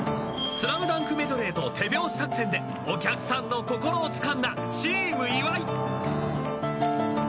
『ＳＬＡＭＤＵＮＫ』メドレーと手拍子作戦でお客さんの心をつかんだチーム岩井。